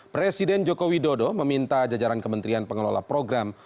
presiden joko widodo meminta jajaran kementerian pengelola program